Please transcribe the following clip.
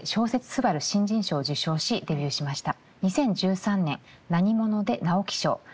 すばる新人賞を受賞しデビューしました。